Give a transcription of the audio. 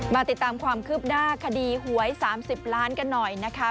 มาติดตามความคืบหน้าคดีหวย๓๐ล้านกันหน่อยนะคะ